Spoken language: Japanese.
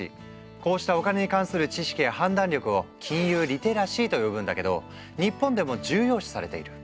こうしたお金に関する知識や判断力を「金融リテラシー」と呼ぶんだけど日本でも重要視されている。